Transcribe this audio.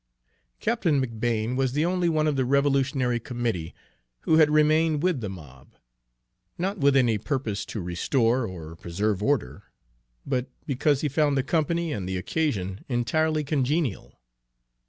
Captain McBane was the only one of the revolutionary committee who had remained with the mob, not with any purpose to restore or preserve order, but because he found the company and the occasion entirely congenial.